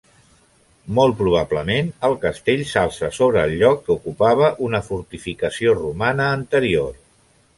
Molt probablement, el castell s'alça sobre el lloc que ocupava una fortificació romana anterior.